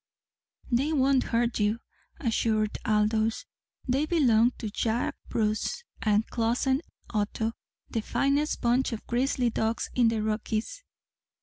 "They won't hurt you," assured Aldous. "They belong to Jack Bruce and Clossen Otto the finest bunch of grizzly dogs in the Rockies."